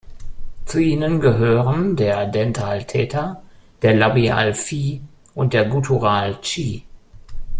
Zu ihnen gehören der Dental Theta, der Labial Phi und der Guttural Chi.